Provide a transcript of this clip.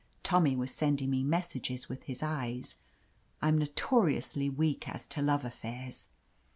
Tommy was sending me messages with his ^es. I'm notoriously weak as to love affairs.